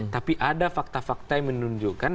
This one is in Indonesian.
tapi ada fakta fakta yang menunjukkan